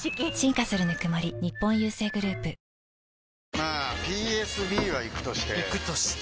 まあＰＳＢはイクとしてイクとして？